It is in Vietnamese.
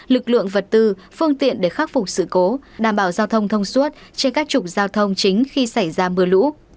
lực lượng vật tư phương tiện để khắc phục sự cố đảm bảo giao thông thông suốt trên các trục giao thông chính khi xảy ra mưa lũ